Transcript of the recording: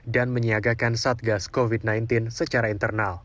dan menyiagakan satgas covid sembilan belas secara internal